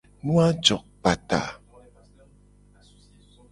Nu a jo kpata.